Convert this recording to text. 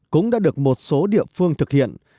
cũng đã được một số địa phương thực hiện